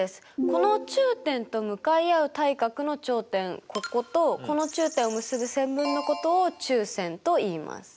この中点と向かいあう対角の頂点こことこの中点を結ぶ線分のことを中線といいます。